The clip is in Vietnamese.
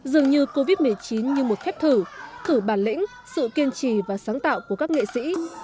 dường như covid một mươi chín như một phép thử thử thử bản lĩnh sự kiên trì và sáng tạo của các nghệ sĩ